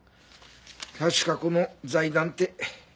確かこの財団って。